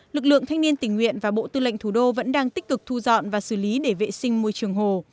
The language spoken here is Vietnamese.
lực lượng thanh niên tình nguyện và bộ tư lệnh thủ đô vẫn đang tích cực thu dọn và xử lý để vệ sinh môi trường hồ